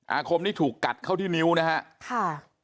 อาคมนี้ถูกกัดเข้าที่นิ้วนะฮะค่ะ